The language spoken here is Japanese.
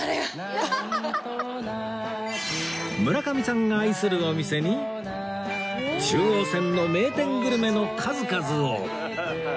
村上さんが愛するお店に中央線の名店グルメの数々を